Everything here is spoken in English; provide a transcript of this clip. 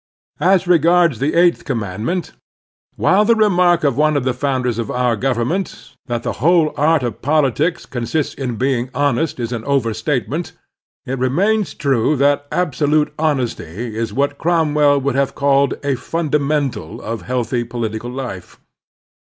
As regards the eighth commandment, while the remark of one of the f otmders of our government, that the whole art of politics consists in being 121 122 The Strenuous Life honest, is an overstatement, it remains true that absolute honesty is what Cromwell would have called a "fimdamental" of healthy political life.